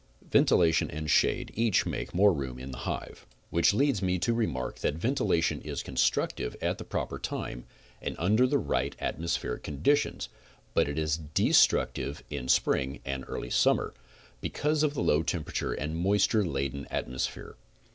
Ventilation and shade each make more room in the hive, 16 CONSTRUCTIVE BEEKEBPING which leads me to remark that ventilation is constructive at the proper time, and under right atmospheric conditions, but is de structive in spring and early summer, because of the low tem perature and moisture laden atmosphere.